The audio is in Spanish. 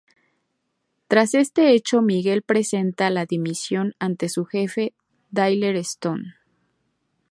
Tras este hecho Miguel presenta la dimisión ante su jefe, Tyler Stone.